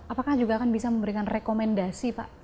apakah juga akan bisa memberikan rekomendasi pak